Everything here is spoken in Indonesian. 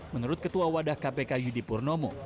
menurut ketua wadah kpk yudi purnomo